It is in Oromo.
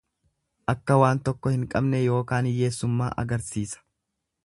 Akka waan tokko hin qabne ykn hiyyeessummaa agarsiisa.